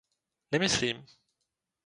Nemyslím.